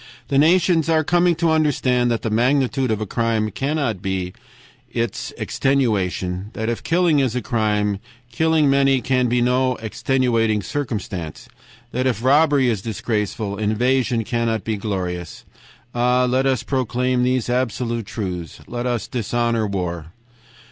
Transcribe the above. The nations are coming to understand that the magnitude of a crime cannot be its extenuation; that if killing is a crime, killing many can be no extenuating circumstance; that if robbery is disgraceful, invasion cannot be glorious. Ah! let us proclaim these absolute truths; let us dishonor war!'